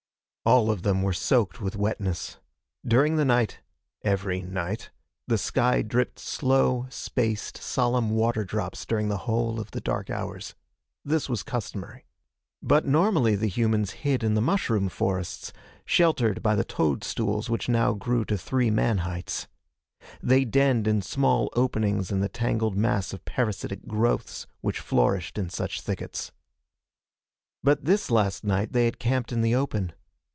All of them were soaked with wetness. During the night every night the sky dripped slow, spaced, solemn water drops during the whole of the dark hours. This was customary. But normally the humans hid in the mushroom forests, sheltered by the toadstools which now grew to three man heights. They denned in small openings in the tangled mass of parasitic growths which flourished in such thickets. But this last night they had camped in the open.